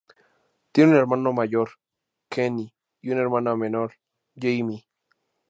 Tiene un hermano mayor, Kenny, y una hermana menor, Jamie.